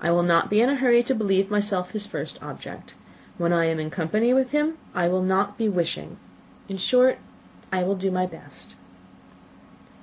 I will not be in a hurry to believe myself his first object. When I am in company with him, I will not be wishing. In short, I will do my best."